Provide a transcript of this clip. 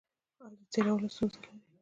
ایا د تیرولو ستونزه لرئ؟